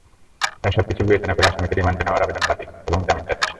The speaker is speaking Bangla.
তাই সবকিছু বিবেচনা করে আসামিকে রিমান্ডে নেওয়ার আবেদন বাতিল এবং জামিন চাচ্ছি।